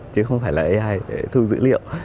chứ không phải là ai để thu dữ liệu